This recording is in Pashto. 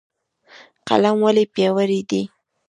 قلم ولې پیاوړی دی؟